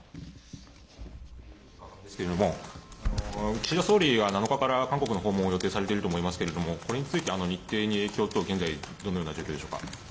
岸田総理が７日から韓国の訪問を予定されていると思いますけれども、これについて日程に影響等、現在どのような状況でしょう